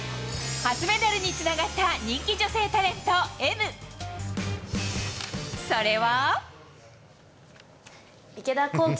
初メダルにつながった人気女性タレントＭそれは。